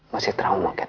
masih trauma cat